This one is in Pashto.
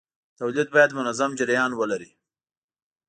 تولید باید منظم جریان ولري.